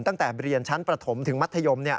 ตั้งแต่เรียนชั้นประถมถึงมัธยม